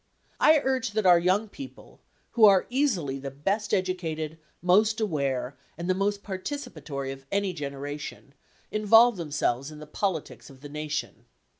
I urge that our young people, who are easily the best educated, most aware, and the most participatory of any generation, involve themselves in the politics of the Nation.